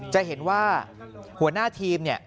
จะเห็นว่าหัวหน้าทีม